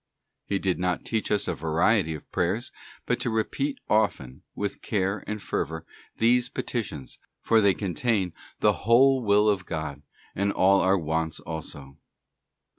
'* He did not teach us a variety of prayers, but to repeat often, with care and fervour, these petitions—for they contain the whole Will of God and all our wants also.